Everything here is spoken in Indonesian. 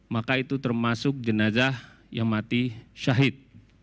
maka itu termasuk jenazah yang mati syahid